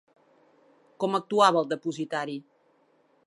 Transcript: Com actuava el depositari?